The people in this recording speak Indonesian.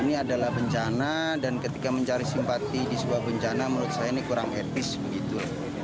ini adalah bencana dan ketika mencari simpati di sebuah bencana menurut saya ini kurang etis begitu